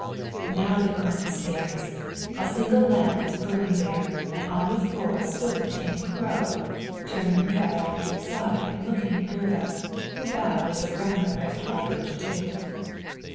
Now they were on the stairs. A single lamp was burning there; and on the floor stood the tame Crow, turning her head on every side and looking at Gerda, who bowed as her grandmother had taught her to do.